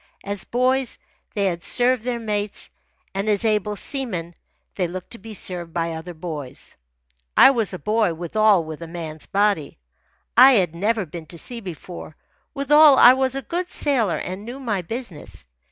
As boys they had served their mates, and as able seamen they looked to be served by other boys. I was a boy withal with a man's body. I had never been to sea before withal I was a good sailor and knew my business.